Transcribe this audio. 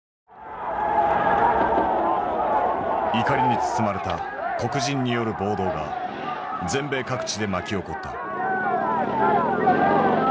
怒りに包まれた黒人による暴動が全米各地で巻き起こった。